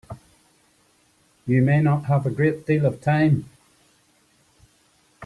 You may not have a great deal of time.